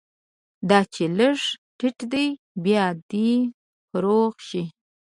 دا چې لږ تت دی، بیا دې فروغ شي